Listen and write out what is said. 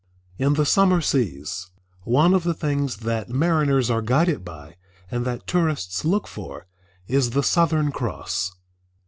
In the summer seas, one of the things that mariners are guided by and that tourists look for, is the Southern Cross.